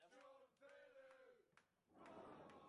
No participó en ninguna elección posterior, y se acabó disolviendo.